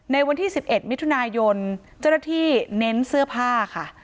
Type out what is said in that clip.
ในวันที่๑๑มิถุนายนเจ้าหน้าที่เน้นเสื้อผ้าค่ะ